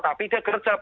tapi dia gerjap